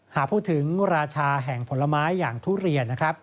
หากพูดถึงราชาแห่งผลไม้อย่างทุเรียนนะครับ